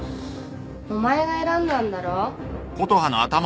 お前が選んだんだろ？